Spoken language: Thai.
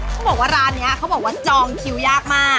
เขาบอกว่าร้านนี้เขาบอกว่าจองคิวยากมาก